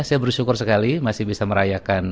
saya bersyukur sekali masih bisa merayakan